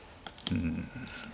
うん。